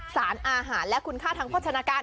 สารอาหารและคุณค่าทางโภชนาการ